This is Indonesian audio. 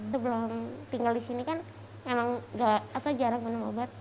sebelum tinggal di sini kan emang jarak minum obat